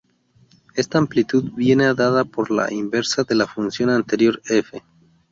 Esta "amplitud" viene dada por la inversa de la función anterior "F".